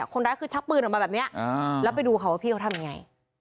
คนร้ายคือชักปืนออกมาแบบนี้แล้วไปดูค่ะว่าพี่เขาทำยังไง